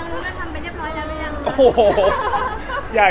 ใครคนเงาก็ตรงกันทำไปเรียบร้อยแล้วหรือยัง